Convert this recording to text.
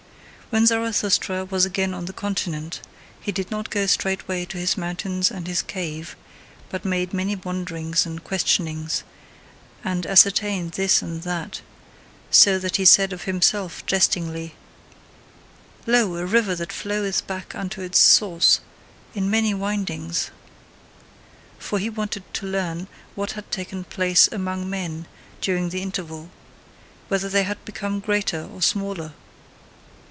When Zarathustra was again on the continent, he did not go straightway to his mountains and his cave, but made many wanderings and questionings, and ascertained this and that; so that he said of himself jestingly: "Lo, a river that floweth back unto its source in many windings!" For he wanted to learn what had taken place AMONG MEN during the interval: whether they had become greater or smaller.